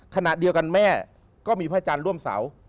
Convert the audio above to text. ขณะเดียวกันแม่ก็มีพระอาจารย์ร่วมเสา